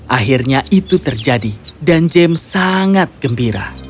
akhirnya itu terjadi dan james sangat gembira